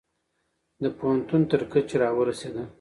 د پوهنتون تر کچې را ورسیدل